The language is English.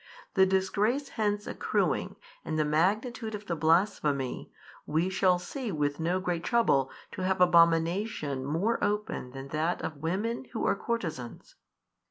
The disgrace hence accruing and the magnitude of the blasphemy, we shall see with no great trouble to have abomination more open than that of women who are courtesans.